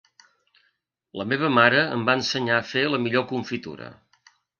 La meva mare em va ensenyar a fer la millor confitura.